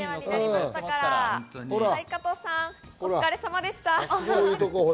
加藤さん、お疲れさまでした。